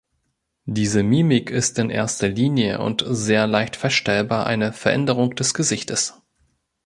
Diese Mimik ist in erster Linie und sehr leicht feststellbar eine Veränderung des Gesichtes.